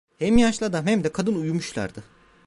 Hem yaşlı adam hem de kadın uyumuşlardı.